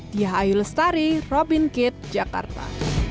di hayul stari robin kitt jakarta